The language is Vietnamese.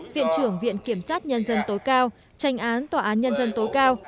viện trưởng viện kiểm sát nhân dân tối cao tranh án tòa án nhân dân tối cao